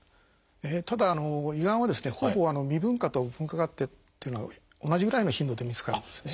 ただ胃がんはですねほぼ未分化と分化があってというのは同じぐらいの頻度で見つかるんですね。